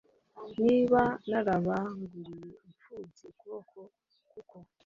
niba narabanguriye impfubyi ukuboko kuko